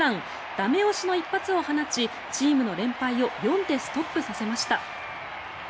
駄目押しの一発を放ちチームの連敗を４でストップさせました。